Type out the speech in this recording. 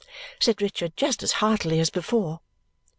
said Richard just as heartily as before.